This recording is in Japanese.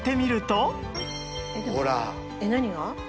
えっ？何が？